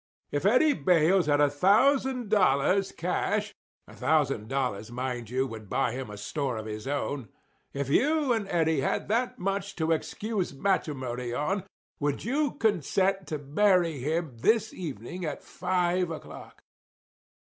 If Eddie Bayles had a thousand dollars cash—a thousand dollars, mind you, would buy him a store of his own—if you and Eddie had that much to excuse matrimony on, would you consent to marry him this evening at five o'clock?"